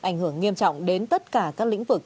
ảnh hưởng nghiêm trọng đến tất cả các lĩnh vực